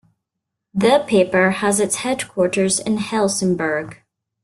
The paper has its headquarters in Helsingborg.